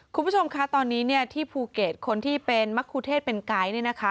คุณผู้ชมคะตอนนี้เนี่ยที่ภูเก็ตคนที่เป็นมะคุเทศเป็นไกด์เนี่ยนะคะ